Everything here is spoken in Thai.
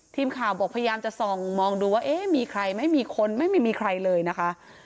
ทีมข่าวบอกพยายามจะส่องมองดูว่าเอ๊ะมีใครไม่มีคนไม่มีใครเลยนะคะ